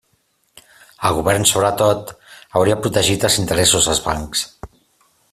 El govern, sobretot, hauria protegit els interessos dels bancs.